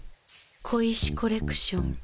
小石コレクション。